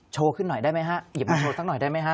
โชว์ขึ้นหน่อยได้ไหมฮะหยิบมาโชว์สักหน่อยได้ไหมฮะ